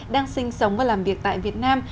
đang sinh sống và làm việc tại việt nam